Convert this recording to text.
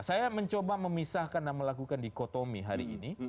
saya mencoba memisahkan dan melakukan dikotomi hari ini